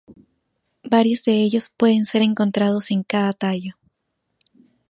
Varios de ellos pueden ser encontrados en cada tallo.